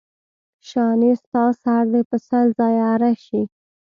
شانې ستا سر دې په سل ځایه اره شي.